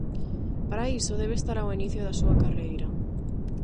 Para iso, debe estar ao inicio da súa carreira.